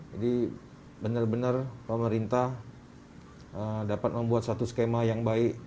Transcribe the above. jadi benar benar pemerintah dapat membuat satu skema yang baik